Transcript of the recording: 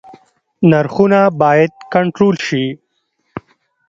نرخونه باید کنټرول شي